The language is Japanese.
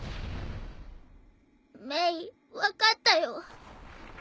メイ分かったよ。